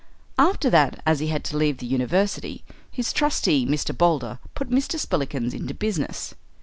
After that, as he had to leave the university, his trustee, Mr. Boulder, put Mr. Spillikins into business.